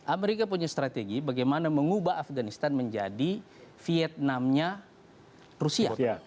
amerika punya strategi bagaimana mengubah afganistan menjadi vietnamnya rusia